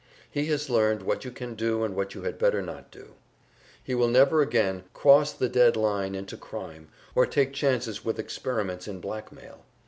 He has learned what you can do and what you had better not do; he will never again cross the dead line into crime, or take chances with experiments in blackmail.